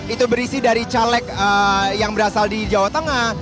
itu berisi dari caleg yang berasal di jawa tengah